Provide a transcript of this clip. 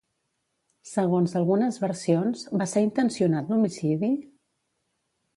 Segons algunes versions, va ser intencionat l'homicidi?